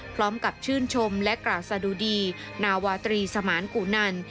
พร้อมกับชื่นชมและกราศดุดีนาวาตรีสมานกุนัน